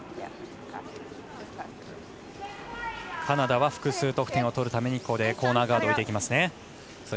カナダは複数得点を取るためにコーナーガードを置きますね。